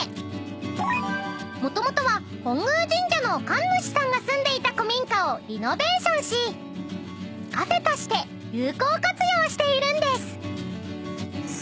［もともとは本宮神社の神主さんが住んでいた古民家をリノベーションしカフェとして有効活用しているんです］